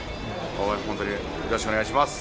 応援、本当によろしくお願いします。